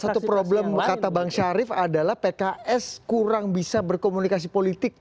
salah satu problem kata bang syarif adalah pks kurang bisa berkomunikasi politik